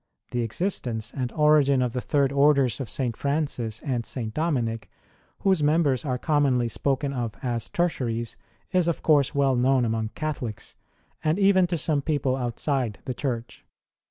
The existence and origin of the Third Orders of St. Francis and St. Dominic, whose members arc commonly spoken of as Tertiaries, is of course well known among Catholics, and even to some people outside the Church.